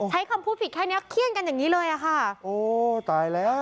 ใช้คำพูดผิดแค่เนี้ยเขี้ยนกันอย่างงี้เลยอ่ะค่ะโอ้ตายแล้ว